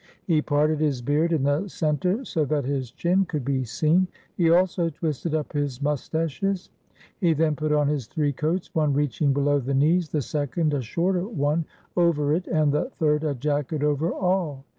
He parted his beard in the centre, so that his chin could be seen. He also twisted up his moustaches. He then put on his three coats, one reaching below the knees, the second a shorter one over it, and the third a jacket over all.